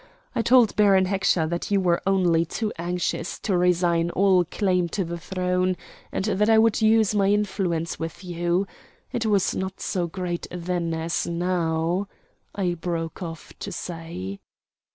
I told Baron Heckscher that you were only too anxious to resign all claim to the throne, and that I would use my influence with you it was not so great then as now," I broke off to say.